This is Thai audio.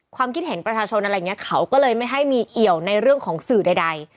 คิดเห็นประชาชนอะไรอย่างนี้เขาก็เลยไม่ให้มีเอี่ยวในเรื่องของสื่อใด